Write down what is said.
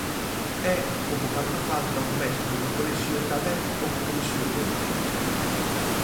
É como cando falta un mestre no colexio tamén o cubrise o Concello.